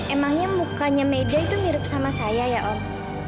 emangnya mukanya media itu mirip sama saya ya om